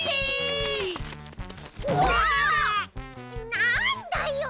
なんだよ！